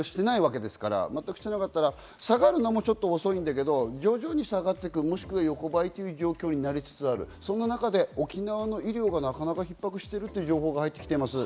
行動制限もしていないわけですから下がるのもちょっと遅いけれど、徐々に下がっていく、もしくは横ばいという状況になりつつある、そんな中で沖縄の医療がなかなかひっ迫している情報が入ってきています。